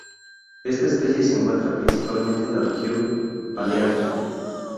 Esta especie se encuentra principalmente en la región Paleártico.